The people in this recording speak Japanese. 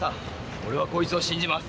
俺はこいつを信じます。